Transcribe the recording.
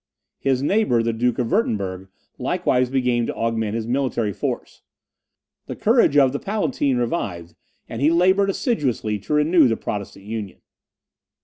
His neighbour, the Duke of Wirtemberg, likewise began to augment his military force. The courage of the Palatine revived, and he laboured assiduously to renew the Protestant Union.